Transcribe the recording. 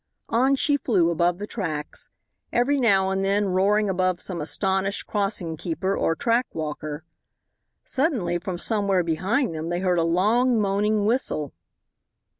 On she flew above the tracks, every now and then roaring above some astonished crossing keeper or track walker. Suddenly, from somewhere behind them, they heard a long, moaning whistle.